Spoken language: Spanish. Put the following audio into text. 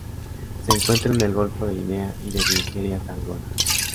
Se encuentra en el Golfo de Guinea y desde Nigeria hasta Angola.